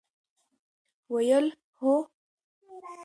ویل ، هو!